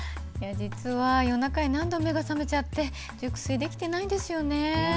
実は夜中に何度も目が覚めちゃって熟睡できてないんですよね。